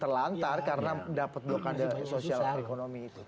terlantar karena dapat blokade sosial ekonomi itu